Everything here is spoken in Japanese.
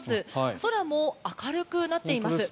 空も明るくなっています。